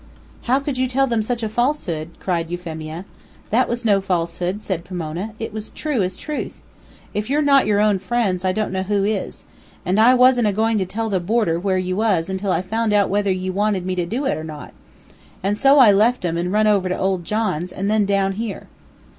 "How could you tell them such a falsehood?" cried Euphemia. "That was no falsehood," said Pomona; "it was true as truth. If you're not your own friends, I don't know who is. And I wasn't a goin' to tell the boarder where you was till I found out whether you wanted me to do it or not. And so I left 'em and run over to old John's, and then down here."